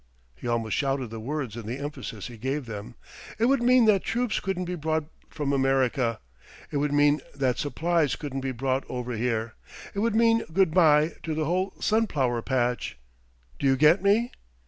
He almost shouted the words in the emphasis he gave them. "It would mean that troops couldn't be brought from America; it would mean that supplies couldn't be brought over here. It would mean good bye to the whole sunflower patch. Do you get me?"